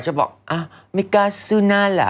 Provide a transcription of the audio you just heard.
ฉันบอกอ่ะมิกาซูน่าล่ะ